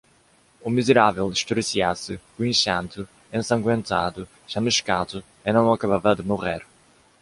O miserável estorcia-se, guinchando, ensangüentado, chamuscado, e não acabava de morrer.